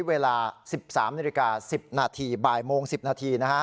เวลา๑๓๑๐นาที